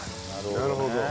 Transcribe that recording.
なるほどね。